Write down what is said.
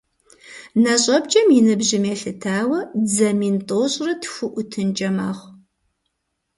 НэщIэпкIэм и ныбжьым елъытауэ, дзэ мин тIощIрэ тху IутынкIэ мэхъу.